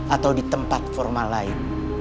atau di tempat formal lain